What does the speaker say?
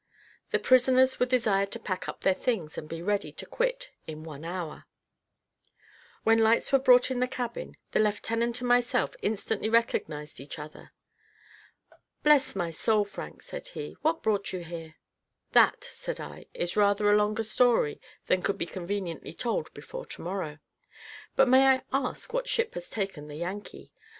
The prisoners were desired to pack up their things, and be ready to quit in one hour. When lights were brought in the cabin, the lieutenant and myself instantly recognised each other. "Bless my soul, Frank," said he, "what brought you here?" "That," said I, "is rather a longer story than could be conveniently told before to morrow; but may I ask what ship has taken the Yankee?